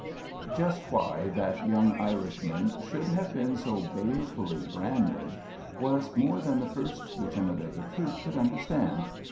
Just why that young Irishman should have been so balefully branded was more than the first lieutenant of the troop could understand.